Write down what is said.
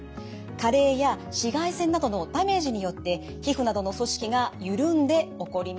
加齢や紫外線などのダメージによって皮膚などの組織が緩んで起こります。